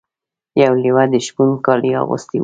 یو لیوه د شپون کالي اغوستي وو.